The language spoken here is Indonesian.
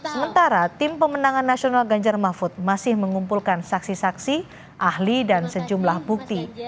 sementara tim pemenangan nasional ganjar mahfud masih mengumpulkan saksi saksi ahli dan sejumlah bukti